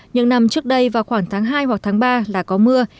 những năm trước đây vào khoảng tháng hai hoặc tháng ba là có mưa